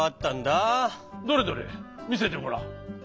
どれどれみせてごらん。